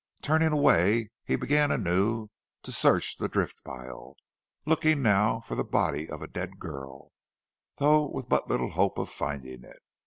Turning away he began anew to search the drift pile, looking now for the body of a dead girl, though with but little hope of finding it.